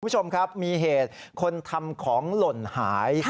คุณผู้ชมครับมีเหตุคนทำของหล่นหาย